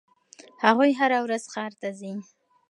هغوی هره ورځ ښار ته ځي.